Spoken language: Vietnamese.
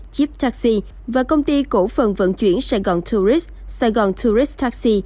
chip taxi và công ty cổ phần vận chuyển sài gòn tourist sài gòn tourist taxi